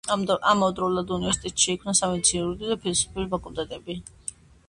ამავდროულად უნივერსიტეტში შეიქმნა სამედიცინო, იურიდიული და ფილოსოფიური ფაკულტეტები.